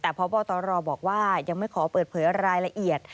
แต่พบตรบอกว่ายังไม่ขอเปิดเผยรายละเอียด